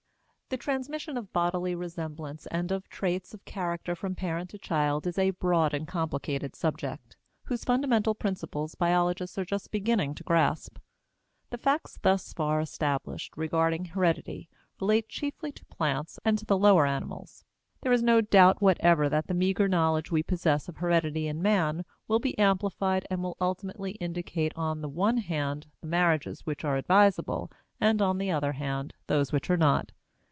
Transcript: The transmission of bodily resemblance and of traits of character from parent to child is a broad and complicated subject, whose fundamental principles biologists are just beginning to grasp. The facts thus far established regarding heredity relate chiefly to plants and to the lower animals. There is no doubt whatever that the meager knowledge we possess of heredity in man will be amplified and will ultimately indicate on the one hand the marriages which are advisable and, on the other hand, those which are not.